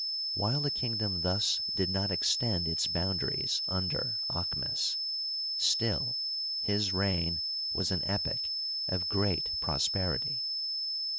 While the kingdom thus did not extend its boundaries under Aah mes, still his reign was an epoch of great prosperity.